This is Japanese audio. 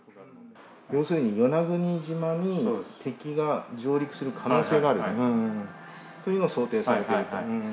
要するに与那国島に敵が上陸する可能性があるというのを、想定されていると。